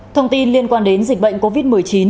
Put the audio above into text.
thông tin liên quan đến dịch bệnh covid một mươi chín